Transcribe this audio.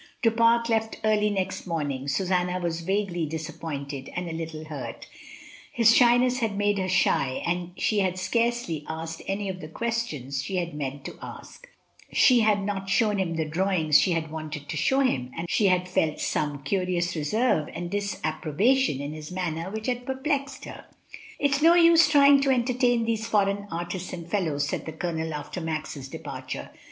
Du Pare left early next morning; Susanna was vagiiely disappointed, and a little hurt; his shyness had made her shy; she had scarcely asked any of the questions she had meant to ask, she had hot shown him the drawings she had wanted to show him, she had felt some curious reserve and dis approbation in his manner which had perplexed her. "It is no use trying to entertain these foreign artists and fellows," said the Colonel after Max's departure.